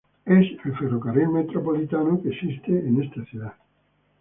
El es el ferrocarril metropolitano que existe en esta ciudad.